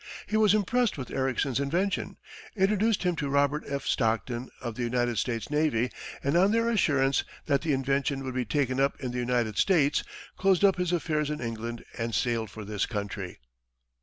He was impressed with Ericsson's invention, introduced him to Robert F. Stockton, of the United States navy, and on their assurance that the invention would be taken up in the United States, closed up his affairs in England and sailed for this country.